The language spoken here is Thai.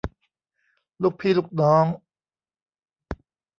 ลูกพี่ลูกน้อง